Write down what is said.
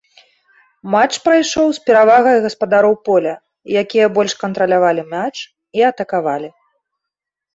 Матч прайшоў з перавагай гаспадароў поля, якія больш кантралявалі мяч і атакавалі.